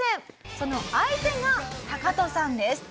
その相手がタカトさんです。